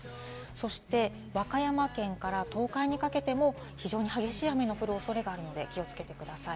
そして和歌山県から東海にかけても非常に激しい雨の降るおそれがあるので気をつけてください。